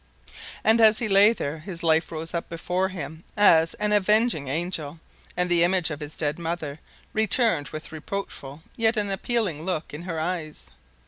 And as he lay there his life rose up before him as an avenging angel, and the image of his dead mother returned with a reproachful yet an appealing look in her eyes.